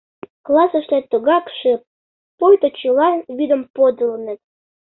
Классыште тугак шып, пуйто чылан вӱдым подылыныт.